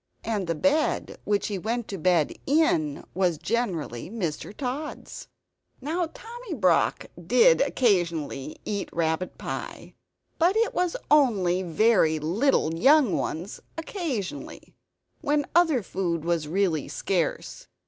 And the bed which he went to bed in was generally Mr. Tod's. Now Tommy Brock did occasionally eat rabbit pie; but it was only very little young ones occasionally, when other food was really scarce.